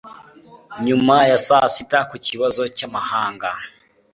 nyuma ya saa sita ku kibazo cy'amahanga